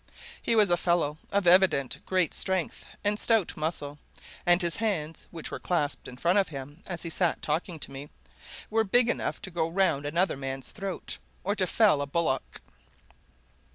He was a fellow of evident great strength and stout muscle, and his hands, which he had clasped in front of him as he sat talking to me, were big enough to go round another man's throat, or to fell a bullock.